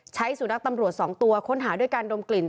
สุนัขตำรวจ๒ตัวค้นหาด้วยการดมกลิ่น